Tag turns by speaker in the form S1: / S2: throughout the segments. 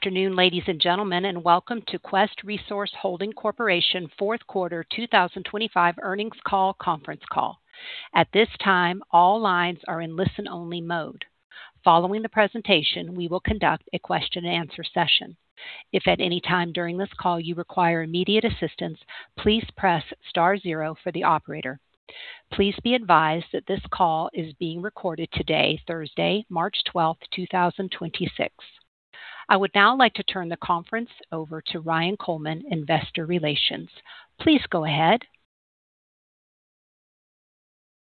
S1: Afternoon, ladies and gentlemen, and welcome to Quest Resource Holding Corporation fourth quarter 2025 earnings call conference call. At this time, all lines are in listen-only mode. Following the presentation, we will conduct a question-and-answer session. If at any time during this call you require immediate assistance, please press star zero for the operator. Please be advised that this call is being recorded today, Thursday, March 12th, 2026. I would now like to turn the conference over to Ryan Coleman, Investor Relations. Please go ahead.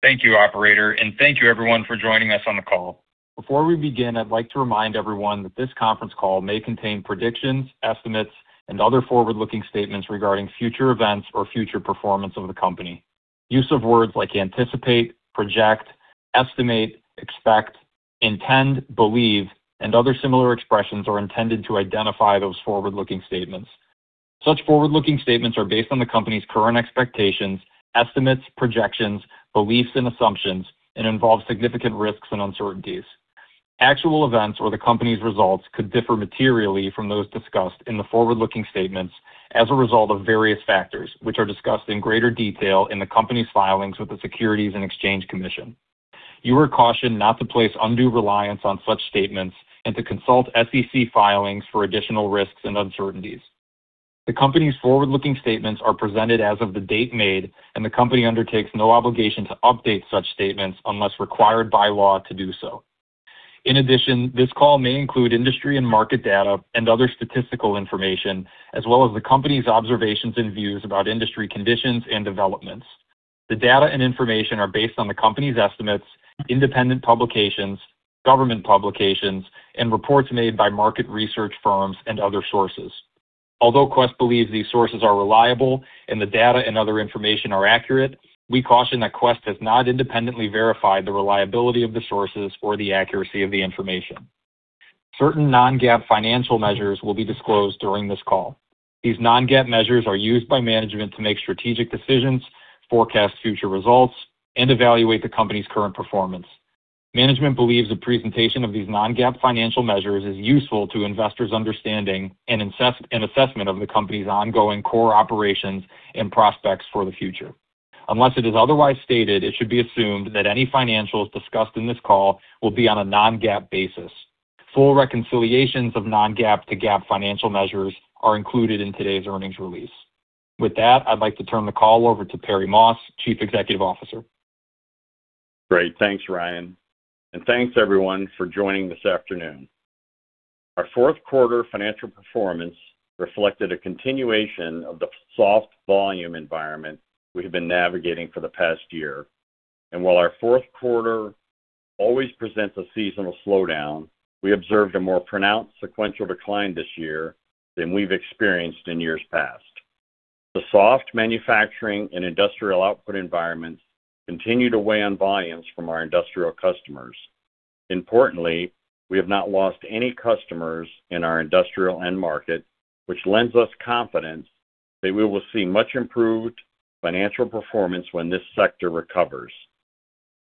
S2: Thank you, operator, and thank you everyone for joining us on the call. Before we begin, I'd like to remind everyone that this conference call may contain predictions, estimates, and other forward-looking statements regarding future events or future performance of the company. Use of words like anticipate, project, estimate, expect, intend, believe, and other similar expressions are intended to identify those forward-looking statements. Such forward-looking statements are based on the company's current expectations, estimates, projections, beliefs, and assumptions, and involve significant risks and uncertainties. Actual events or the company's results could differ materially from those discussed in the forward-looking statements as a result of various factors, which are discussed in greater detail in the company's filings with the Securities and Exchange Commission. You are cautioned not to place undue reliance on such statements and to consult SEC filings for additional risks and uncertainties. The company's forward-looking statements are presented as of the date made, and the company undertakes no obligation to update such statements unless required by law to do so. In addition, this call may include industry and market data and other statistical information, as well as the company's observations and views about industry conditions and developments. The data and information are based on the company's estimates, independent publications, government publications, and reports made by market research firms and other sources. Although Quest believes these sources are reliable and the data and other information are accurate, we caution that Quest has not independently verified the reliability of the sources or the accuracy of the information. Certain non-GAAP financial measures will be disclosed during this call. These non-GAAP measures are used by management to make strategic decisions, forecast future results, and evaluate the company's current performance. Management believes the presentation of these non-GAAP financial measures is useful to investors' understanding and assessment of the company's ongoing core operations and prospects for the future. Unless it is otherwise stated, it should be assumed that any financials discussed in this call will be on a non-GAAP basis. Full reconciliations of non-GAAP to GAAP financial measures are included in today's earnings release. With that, I'd like to turn the call over to Perry Moss, Chief Executive Officer.
S3: Great. Thanks, Ryan. Thanks everyone for joining this afternoon. Our fourth quarter financial performance reflected a continuation of the soft volume environment we have been navigating for the past year. While our fourth quarter always presents a seasonal slowdown, we observed a more pronounced sequential decline this year than we've experienced in years past. The soft manufacturing and industrial output environments continue to weigh on volumes from our industrial customers. Importantly, we have not lost any customers in our industrial end market, which lends us confidence that we will see much improved financial performance when this sector recovers.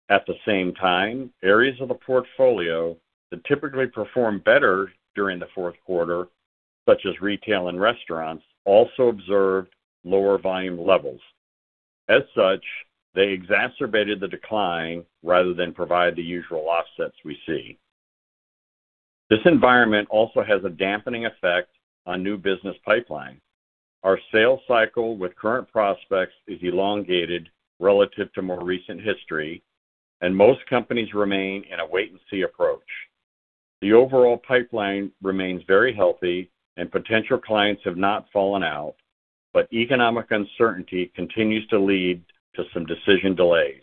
S3: At the same time, areas of the portfolio that typically perform better during the fourth quarter, such as retail and restaurants, also observed lower volume levels. As such, they exacerbated the decline rather than provide the usual offsets we see. This environment also has a dampening effect on new business pipeline. Our sales cycle with current prospects is elongated relative to more recent history, and most companies remain in a wait and see approach. The overall pipeline remains very healthy and potential clients have not fallen out, but economic uncertainty continues to lead to some decision delays.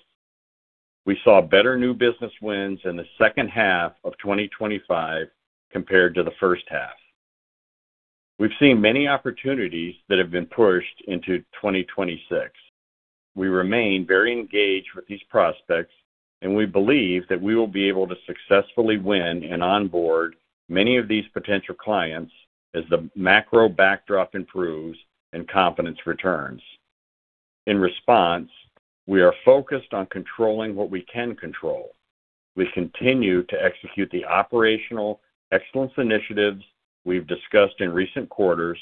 S3: We saw better new business wins in the second half of 2025 compared to the first half. We've seen many opportunities that have been pushed into 2026. We remain very engaged with these prospects, and we believe that we will be able to successfully win and onboard many of these potential clients as the macro backdrop improves and confidence returns. In response, we are focused on controlling what we can control. We continue to execute the operational excellence initiatives we've discussed in recent quarters,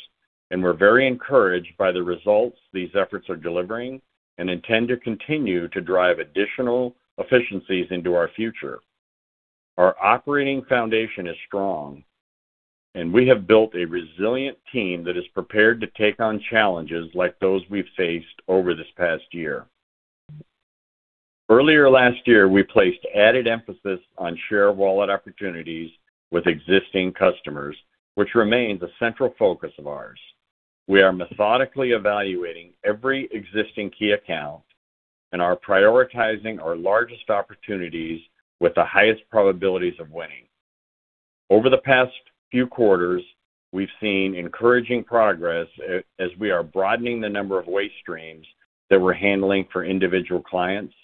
S3: and we're very encouraged by the results these efforts are delivering and intend to continue to drive additional efficiencies into our future. Our operating foundation is strong, and we have built a resilient team that is prepared to take on challenges like those we've faced over this past year. Earlier last year, we placed added emphasis on share of wallet opportunities with existing customers, which remains a central focus of ours. We are methodically evaluating every existing key account and are prioritizing our largest opportunities with the highest probabilities of winning. Over the past few quarters, we've seen encouraging progress as we are broadening the number of waste streams that we're handling for individual clients,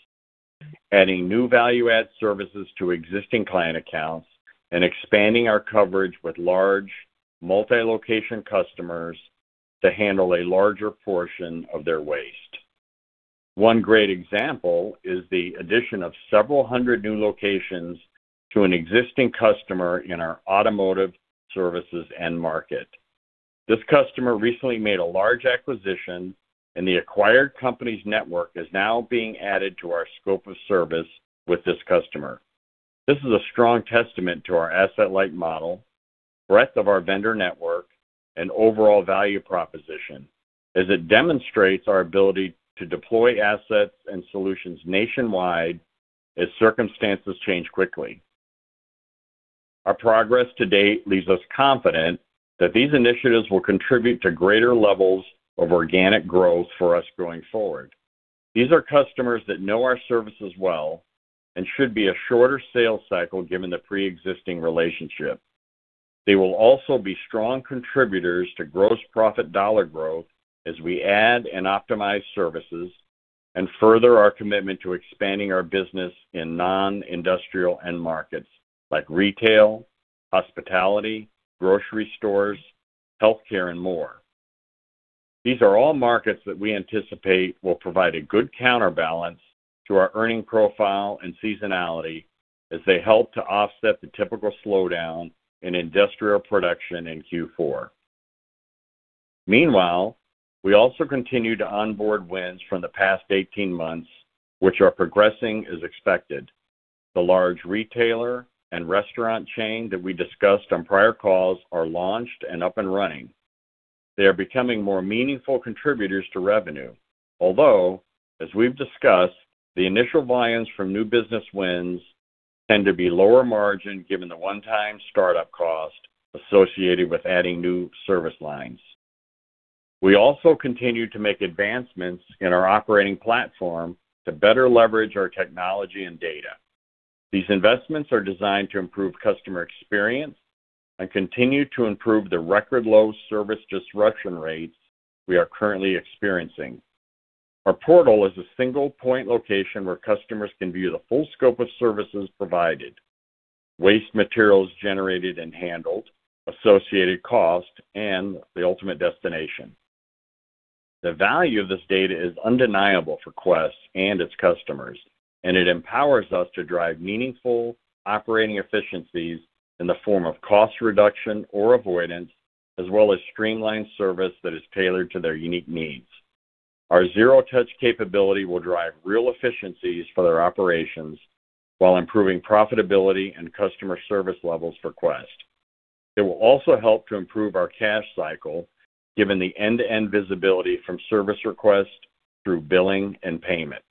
S3: adding new value add services to existing client accounts, and expanding our coverage with large multi-location customers to handle a larger portion of their waste. One great example is the addition of several hundred new locations to an existing customer in our automotive services end market. This customer recently made a large acquisition, and the acquired company's network is now being added to our scope of service with this customer. This is a strong testament to our asset-light model, breadth of our vendor network, and overall value proposition as it demonstrates our ability to deploy assets and solutions nationwide as circumstances change quickly. Our progress to date leaves us confident that these initiatives will contribute to greater levels of organic growth for us going forward. These are customers that know our services well and should be a shorter sales cycle given the pre-existing relationship. They will also be strong contributors to gross profit dollar growth as we add and optimize services and further our commitment to expanding our business in non-industrial end markets like retail, hospitality, grocery stores, healthcare, and more. These are all markets that we anticipate will provide a good counterbalance to our earning profile and seasonality as they help to offset the typical slowdown in industrial production in Q4. Meanwhile, we also continue to onboard wins from the past 18 months, which are progressing as expected. The large retailer and restaurant chain that we discussed on prior calls are launched and up and running. They are becoming more meaningful contributors to revenue. Although, as we've discussed, the initial buy-ins from new business wins tend to be lower margin given the one-time start-up cost associated with adding new service lines. We also continue to make advancements in our operating platform to better leverage our technology and data. These investments are designed to improve customer experience and continue to improve the record low service disruption rates we are currently experiencing. Our portal is a single point location where customers can view the full scope of services provided, waste materials generated and handled, associated cost, and the ultimate destination. The value of this data is undeniable for Quest and its customers, and it empowers us to drive meaningful operating efficiencies in the form of cost reduction or avoidance, as well as streamlined service that is tailored to their unique needs. Our zero-touch capability will drive real efficiencies for their operations while improving profitability and customer service levels for Quest. It will also help to improve our cash cycle, given the end-to-end visibility from service request through billing and payment.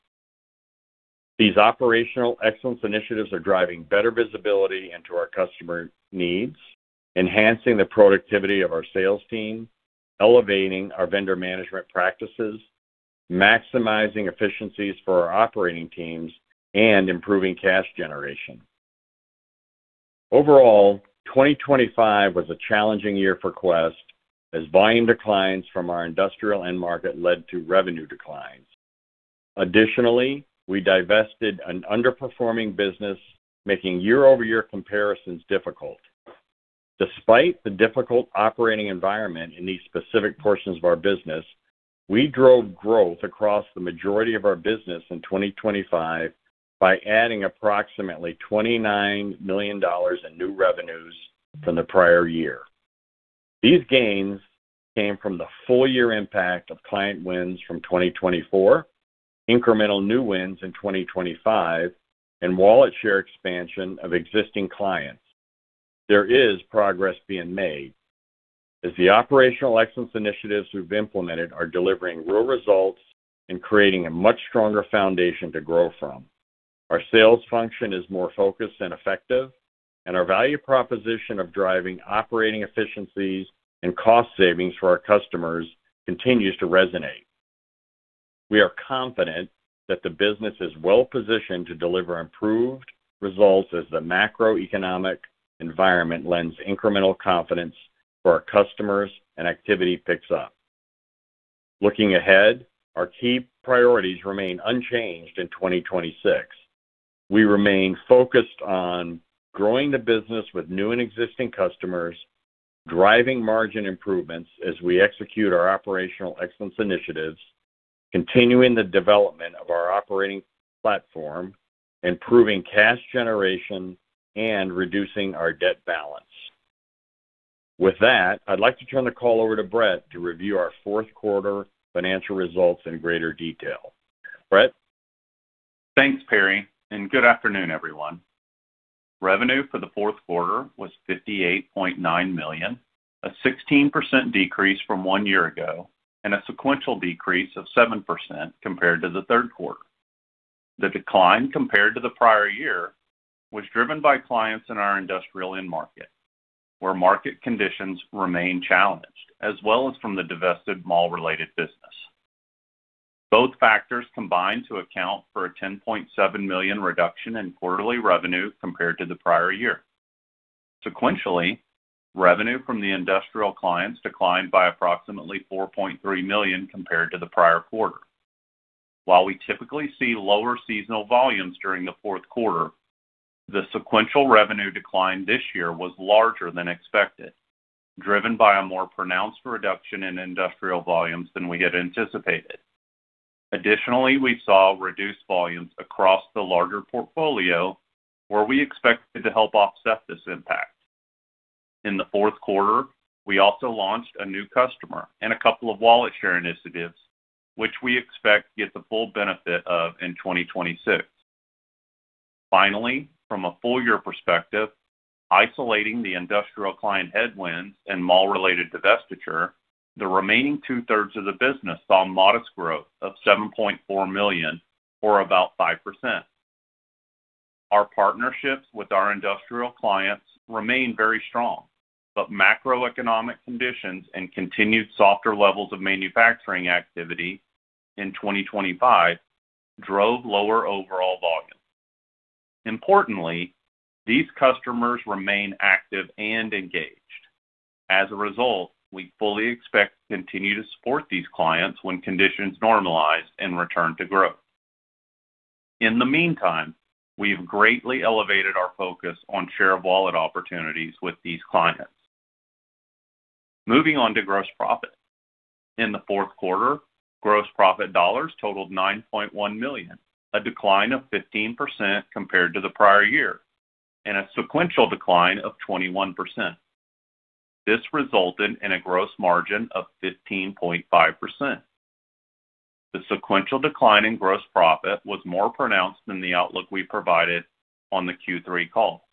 S3: These operational excellence initiatives are driving better visibility into our customer needs, enhancing the productivity of our sales team, elevating our vendor management practices, maximizing efficiencies for our operating teams, and improving cash generation. Overall, 2025 was a challenging year for Quest as volume declines from our industrial end market led to revenue declines. Additionally, we divested an underperforming business, making year-over-year comparisons difficult. Despite the difficult operating environment in these specific portions of our business, we drove growth across the majority of our business in 2025 by adding approximately $29 million in new revenues from the prior year. These gains came from the full year impact of client wins from 2024, incremental new wins in 2025, and wallet share expansion of existing clients. There is progress being made as the operational excellence initiatives we've implemented are delivering real results and creating a much stronger foundation to grow from. Our sales function is more focused and effective, and our value proposition of driving operating efficiencies and cost savings for our customers continues to resonate. We are confident that the business is well-positioned to deliver improved results as the macroeconomic environment lends incremental confidence for our customers and activity picks up. Looking ahead, our key priorities remain unchanged in 2026. We remain focused on growing the business with new and existing customers, driving margin improvements as we execute our operational excellence initiatives, continuing the development of our operating platform, improving cash generation, and reducing our debt balance. With that, I'd like to turn the call over to Brett to review our fourth quarter financial results in greater detail. Brett?
S4: Thanks, Perry, and good afternoon, everyone. Revenue for the fourth quarter was $58.9 million, a 16% decrease from one year ago and a sequential decrease of 7% compared to the third quarter. The decline compared to the prior year was driven by clients in our industrial end market, where market conditions remain challenged, as well as from the divested mall-related business. Both factors combined to account for a $10.7 million reduction in quarterly revenue compared to the prior year. Sequentially, revenue from the industrial clients declined by approximately $4.3 million compared to the prior quarter. The sequential revenue decline this year was larger than expected, driven by a more pronounced reduction in industrial volumes than we had anticipated. Additionally, we saw reduced volumes across the larger portfolio where we expected to help offset this impact. In the fourth quarter, we also launched a new customer and a couple of wallet share initiatives, which we expect to get the full benefit of in 2026. Finally, from a full year perspective, isolating the industrial client headwinds and mall-related divestiture, the remaining two-thirds of the business saw modest growth of $7.4 million, or about 5%. Our partnerships with our industrial clients remain very strong, but macroeconomic conditions and continued softer levels of manufacturing activity in 2025 drove lower overall volumes. Importantly, these customers remain active and engaged. As a result, we fully expect to continue to support these clients when conditions normalize and return to growth. In the meantime, we've greatly elevated our focus on share of wallet opportunities with these clients. Moving on to gross profit. In the fourth quarter, gross profit dollars totaled $9.1 million, a decline of 15% compared to the prior year, and a sequential decline of 21%. This resulted in a gross margin of 15.5%. The sequential decline in gross profit was more pronounced than the outlook we provided on the Q3 call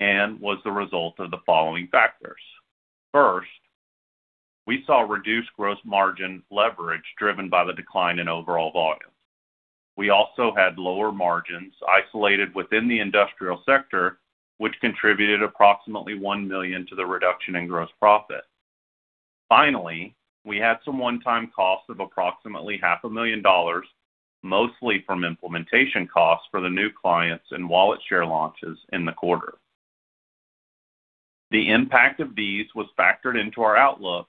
S4: and was the result of the following factors. First, we saw reduced gross margin leverage driven by the decline in overall volume. We also had lower margins isolated within the industrial sector, which contributed approximately $1 million to the reduction in gross profit. Finally, we had some one-time costs of approximately half a million dollars, mostly from implementation costs for the new clients and wallet share launches in the quarter. The impact of these was factored into our outlook,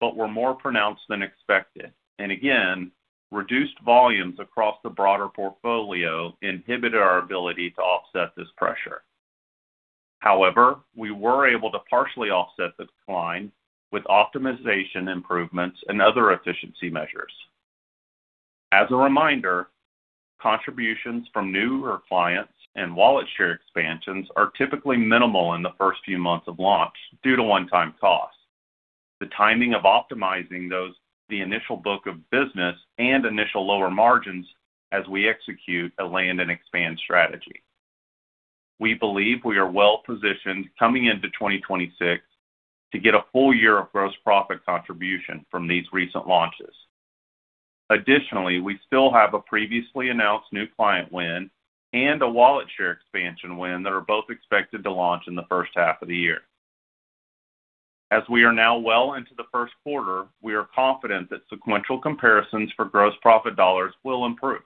S4: but were more pronounced than expected, and again, reduced volumes across the broader portfolio inhibited our ability to offset this pressure. However, we were able to partially offset the decline with optimization improvements and other efficiency measures. As a reminder, contributions from newer clients and wallet share expansions are typically minimal in the first few months of launch due to one-time costs, the timing of optimizing those, the initial book of business and initial lower margins as we execute a land and expand strategy. We believe we are well-positioned coming into 2026 to get a full year of gross profit contribution from these recent launches. Additionally, we still have a previously announced new client win and a wallet share expansion win that are both expected to launch in the first half of the year. As we are now well into the first quarter, we are confident that sequential comparisons for gross profit dollars will improve.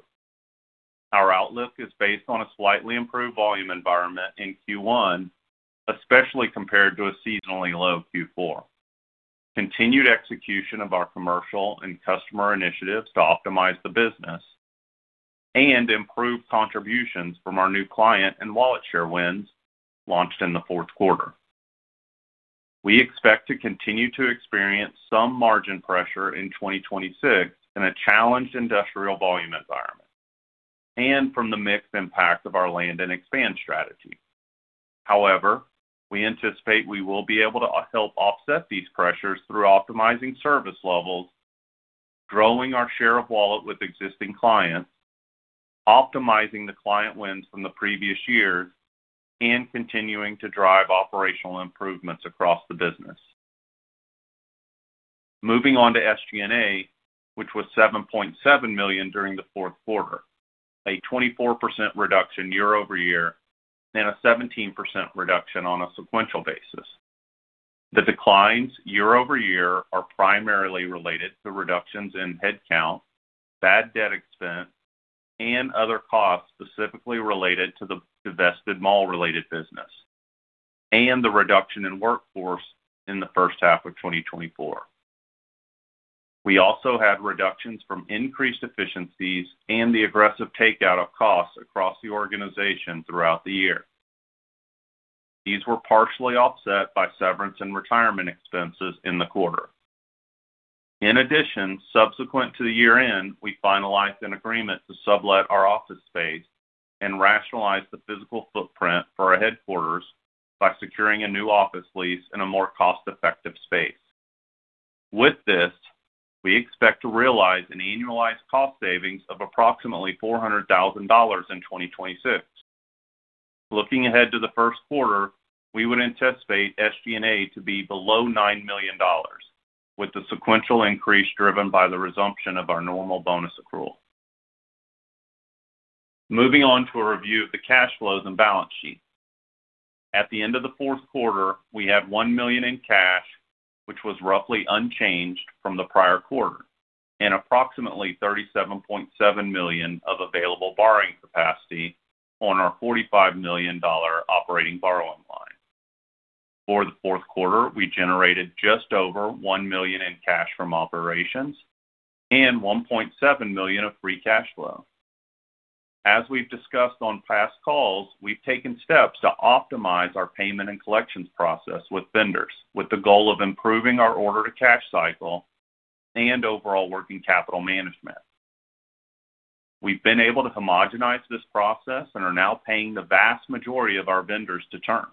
S4: Our outlook is based on a slightly improved volume environment in Q1, especially compared to a seasonally low Q4. Continued execution of our commercial and customer initiatives to optimize the business and improve contributions from our new client and wallet share wins launched in the fourth quarter. We expect to continue to experience some margin pressure in 2026 in a challenged industrial volume environment and from the mixed impact of our land and expand strategy. However, we anticipate we will be able to help offset these pressures through optimizing service levels, growing our share of wallet with existing clients, optimizing the client wins from the previous years, and continuing to drive operational improvements across the business. Moving on to SG&A, which was $7.7 million during the fourth quarter, a 24% reduction year-over-year, and a 17% reduction on a sequential basis. The declines year-over-year are primarily related to reductions in headcount, bad debt expense, and other costs specifically related to the divested RWS commercial property management business and the reduction in workforce in the first half of 2024. We also had reductions from increased efficiencies and the aggressive takeout of costs across the organization throughout the year. These were partially offset by severance and retirement expenses in the quarter. In addition, subsequent to the year-end, we finalized an agreement to sublet our office space and rationalize the physical footprint for our headquarters by securing a new office lease in a more cost-effective space. With this, we expect to realize an annualized cost savings of approximately $400,000 in 2026. Looking ahead to the first quarter, we would anticipate SG&A to be below $9 million, with the sequential increase driven by the resumption of our normal bonus accrual. Moving on to a review of the cash flows and balance sheet. At the end of the fourth quarter, we had $1 million in cash, which was roughly unchanged from the prior quarter and approximately $37.7 million of available borrowing capacity on our $45 million operating borrowing line. For the fourth quarter, we generated just over $1 million in cash from operations and $1.7 million of free cash flow. As we've discussed on past calls, we've taken steps to optimize our payment and collections process with vendors with the goal of improving our order to cash cycle and overall working capital management. We've been able to homogenize this process and are now paying the vast majority of our vendors to term.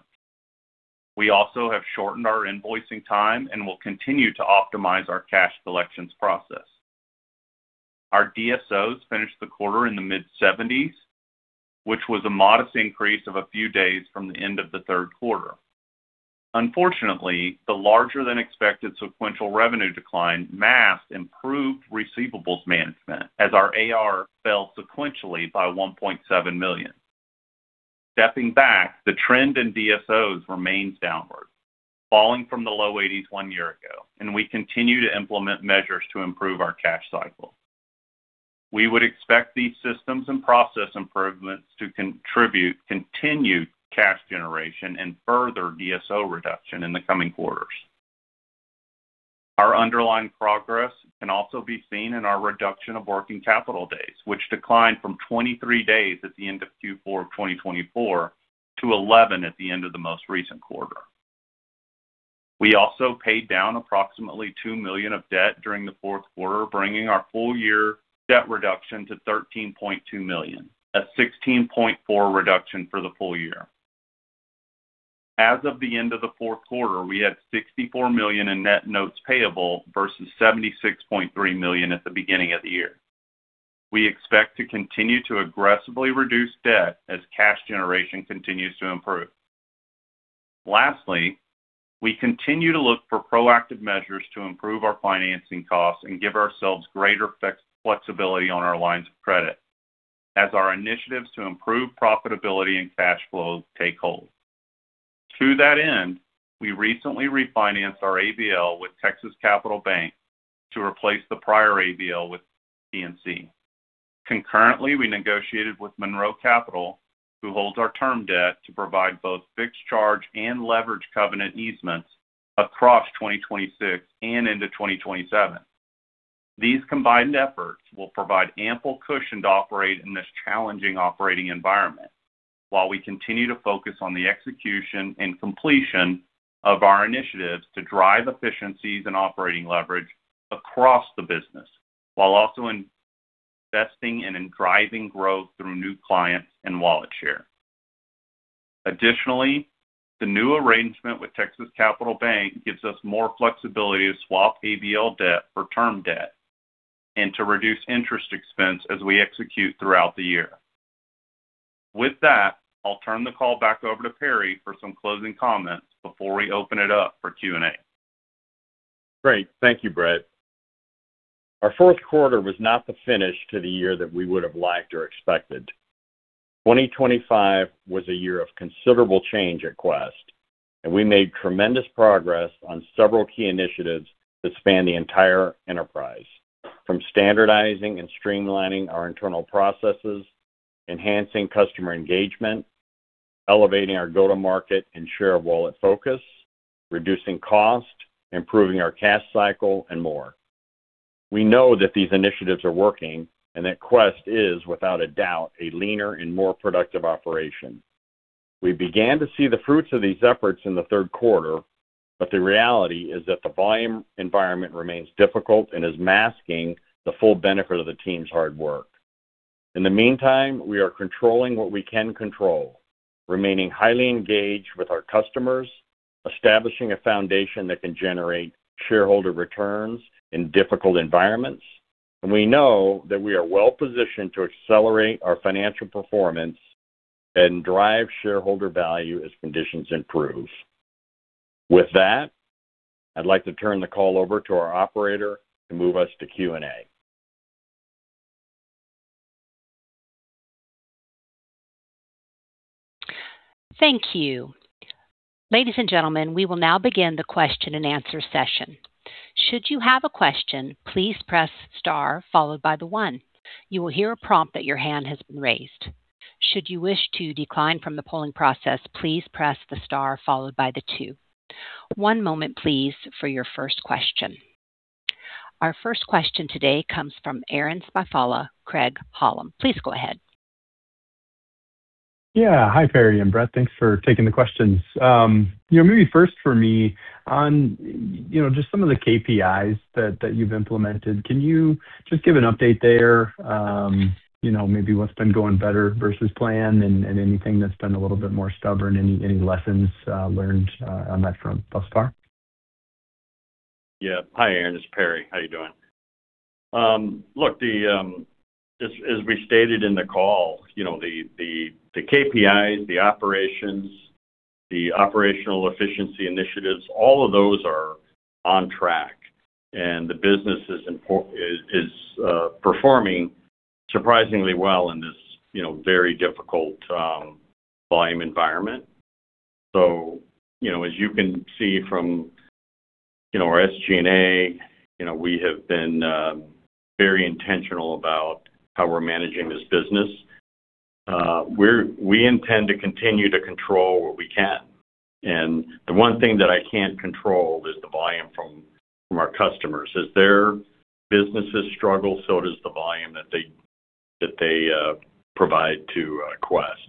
S4: We also have shortened our invoicing time and will continue to optimize our cash collections process. Our DSOs finished the quarter in the mid-70s, which was a modest increase of a few days from the end of the third quarter. Unfortunately, the larger than expected sequential revenue decline masked improved receivables management as our AR fell sequentially by $1.7 million. Stepping back, the trend in DSOs remains downward, falling from the low 80s one year ago, and we continue to implement measures to improve our cash cycle. We would expect these systems and process improvements to contribute continued cash generation and further DSO reduction in the coming quarters. Our underlying progress can also be seen in our reduction of working capital days, which declined from 23 days at the end of Q4 of 2024 to 11 at the end of the most recent quarter. We also paid down approximately $2 million of debt during the fourth quarter, bringing our full-year debt reduction to $13.2 million, a 16.4% reduction for the full year. As of the end of the fourth quarter, we had $64 million in net notes payable versus $76.3 million at the beginning of the year. We expect to continue to aggressively reduce debt as cash generation continues to improve. Lastly, we continue to look for proactive measures to improve our financing costs and give ourselves greater flexibility on our lines of credit as our initiatives to improve profitability and cash flow take hold. To that end, we recently refinanced our ABL with Texas Capital Bank to replace the prior ABL with PNC. Concurrently, we negotiated with Monroe Capital, who holds our term debt, to provide both fixed charge and leverage covenant easements across 2026 and into 2027. These combined efforts will provide ample cushion to operate in this challenging operating environment while we continue to focus on the execution and completion of our initiatives to drive efficiencies and operating leverage across the business, while also investing and driving growth through new clients and wallet share. Additionally, the new arrangement with Texas Capital Bank gives us more flexibility to swap ABL debt for term debt and to reduce interest expense as we execute throughout the year. With that, I'll turn the call back over to Perry for some closing comments before we open it up for Q&A.
S3: Great. Thank you, Brett. Our fourth quarter was not the finish to the year that we would have liked or expected. 2025 was a year of considerable change at Quest, and we made tremendous progress on several key initiatives that span the entire enterprise, from standardizing and streamlining our internal processes, enhancing customer engagement, elevating our go-to-market and share of wallet focus, reducing cost, improving our cash cycle, and more. We know that these initiatives are working and that Quest is without a doubt a leaner and more productive operation. We began to see the fruits of these efforts in the third quarter, but the reality is that the volume environment remains difficult and is masking the full benefit of the team's hard work. In the meantime, we are controlling what we can control, remaining highly engaged with our customers, establishing a foundation that can generate shareholder returns in difficult environments. We know that we are well-positioned to accelerate our financial performance and drive shareholder value as conditions improve. With that, I'd like to turn the call over to our operator to move us to Q&A.
S1: Thank you. Ladies and gentlemen, we will now begin the question-and-answer session. Should you have a question, please press star followed by the one. You will hear a prompt that your hand has been raised. Should you wish to decline from the polling process, please press the star followed by the two. One moment, please, for your first question. Our first question today comes from Aaron Spychalla, Craig-Hallum. Please go ahead.
S5: Yeah. Hi, Perry and Brett. Thanks for taking the questions. You know, maybe first for me on, you know, just some of the KPIs that you've implemented. Can you just give an update there? You know, maybe what's been going better versus plan and anything that's been a little bit more stubborn? Any lessons learned on that front thus far?
S3: Yeah. Hi, Aaron. It's Perry. How are you doing? Look, as we stated in the call, you know, the KPIs, the operations, the operational efficiency initiatives, all of those are on track. The business is performing surprisingly well in this, you know, very difficult volume environment. You know, as you can see from you know, our SG&A, you know, we have been very intentional about how we're managing this business. We intend to continue to control what we can. The one thing that I can't control is the volume from our customers. As their businesses struggle, so does the volume that they provide to Quest.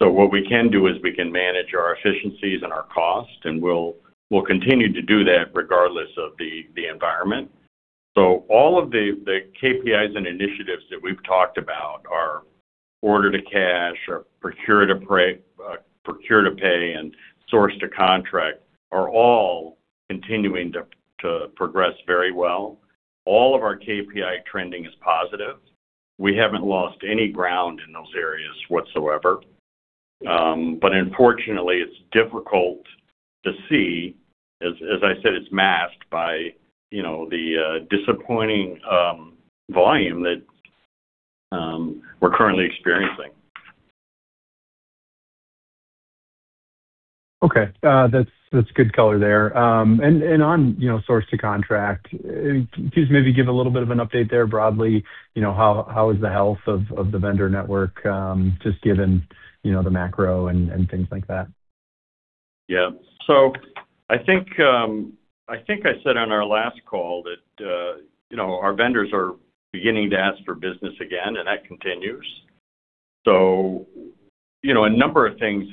S3: What we can do is we can manage our efficiencies and our costs, and we'll continue to do that regardless of the environment. All of the KPIs and initiatives that we've talked about are order to cash or procure to pay and source to contract are all continuing to progress very well. All of our KPI trending is positive. We haven't lost any ground in those areas whatsoever. Unfortunately, it's difficult to see. As I said, it's masked by, you know, the disappointing volume that we're currently experiencing.
S5: Okay. That's good color there. On, you know, source to contract, can you just maybe give a little bit of an update there broadly? You know, how is the health of the vendor network, just given, you know, the macro and things like that?
S3: Yeah. I think I said on our last call that, you know, our vendors are beginning to ask for business again, and that continues. You know, a number of things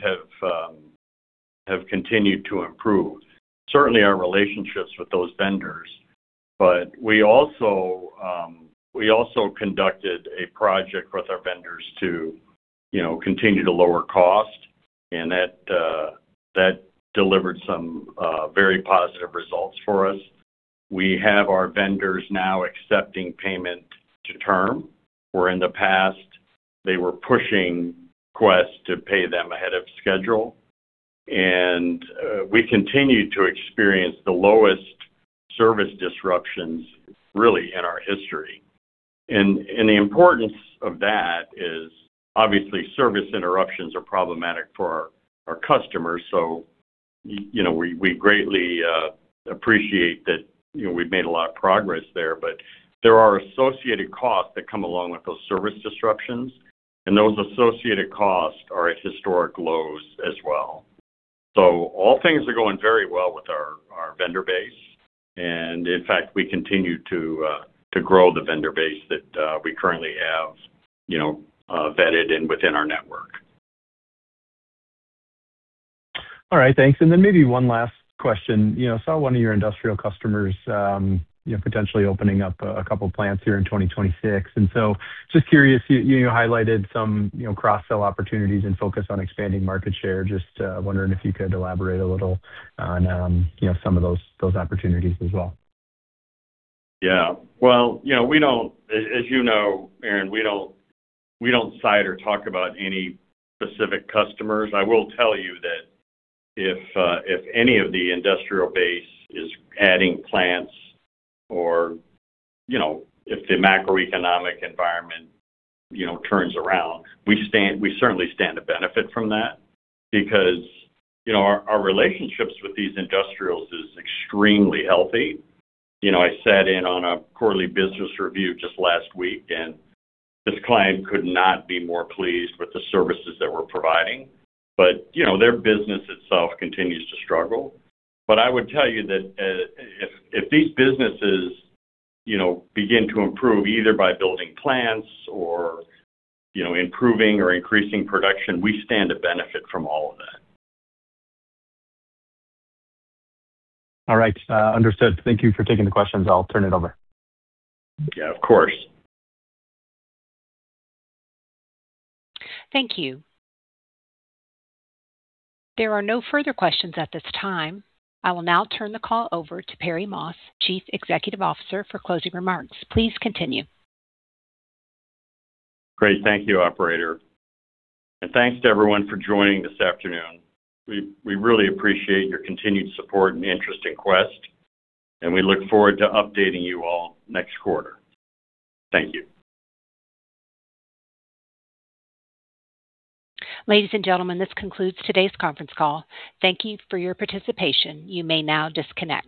S3: have continued to improve. Certainly our relationships with those vendors. We also conducted a project with our vendors to, you know, continue to lower cost, and that delivered some very positive results for us. We have our vendors now accepting payment to term, where in the past, they were pushing Quest to pay them ahead of schedule. We continue to experience the lowest service disruptions, really, in our history. The importance of that is obviously service interruptions are problematic for our customers. You know, we greatly appreciate that, you know, we've made a lot of progress there, but there are associated costs that come along with those service disruptions, and those associated costs are at historic lows as well. All things are going very well with our vendor base. In fact, we continue to grow the vendor base that we currently have, you know, vetted and within our network.
S5: All right. Thanks. Then maybe one last question. You know, saw one of your industrial customers, you know, potentially opening up a couple plants here in 2026. Just curious, you highlighted some, you know, cross-sell opportunities and focus on expanding market share. Just wondering if you could elaborate a little on, you know, some of those opportunities as well.
S3: Yeah. Well, you know, we don't. As you know, Aaron, we don't cite or talk about any specific customers. I will tell you that if any of the industrial base is adding plants or, you know, if the macroeconomic environment, you know, turns around, we certainly stand to benefit from that because, you know, our relationships with these industrials is extremely healthy. You know, I sat in on a quarterly business review just last week, and this client could not be more pleased with the services that we're providing. You know, their business itself continues to struggle. I would tell you that if these businesses, you know, begin to improve either by building plants or, you know, improving or increasing production, we stand to benefit from all of that.
S5: All right. Understood. Thank you for taking the questions. I'll turn it over.
S3: Yeah, of course.
S1: Thank you. There are no further questions at this time. I will now turn the call over to Perry Moss, Chief Executive Officer, for closing remarks. Please continue.
S3: Great. Thank you, operator. Thanks to everyone for joining this afternoon. We really appreciate your continued support and interest in Quest, and we look forward to updating you all next quarter. Thank you.
S1: Ladies and gentlemen, this concludes today's conference call. Thank you for your participation. You may now disconnect.